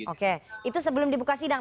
oke itu sebelum dibuka sidang